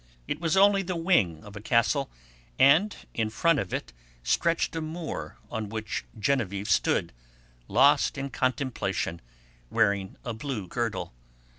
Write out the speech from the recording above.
It was only the wing of a castle, and in front of it stretched a moor on which Geneviève stood, lost in contemplation, wearing a blue girdle.